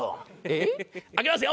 ええ開けますよ！